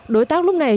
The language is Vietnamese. đối tác lúc này